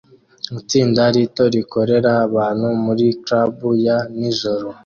Itsinda rito rikorera abantu muri club ya nijoro